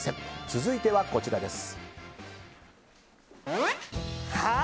続いてはこちらです。